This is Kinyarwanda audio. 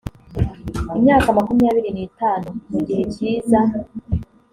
imyaka makumyabiri n itanu mu gihe kiza